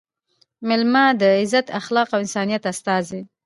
مېلمه – د عزت، اخلاص او انسانیت استازی